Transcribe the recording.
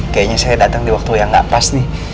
kayaknya saya datang di waktu yang nggak pas nih